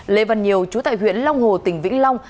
lê văn nhiều chú tại huyện long hồ tỉnh vĩnh long